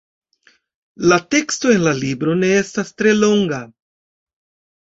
La teksto en la libro ne estas tre longa.